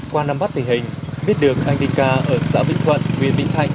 qua năm bắt tình hình biết được anh đình ca ở xã vĩnh thuận nguyễn vĩnh thạnh